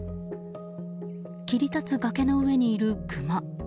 切り立つ崖の上にいるクマ。